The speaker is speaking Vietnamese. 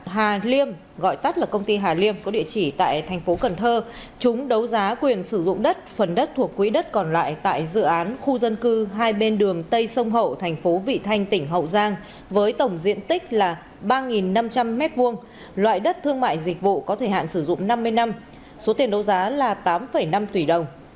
hà liêm gọi tắt là công ty hà liêm có địa chỉ tại thành phố cần thơ chúng đấu giá quyền sử dụng đất phần đất thuộc quỹ đất còn lại tại dự án khu dân cư hai bên đường tây sông hậu thành phố vị thanh tỉnh hậu giang với tổng diện tích là ba năm trăm linh m hai loại đất thương mại dịch vụ có thể hạn sử dụng năm mươi năm số tiền đấu giá là tám năm tỷ đồng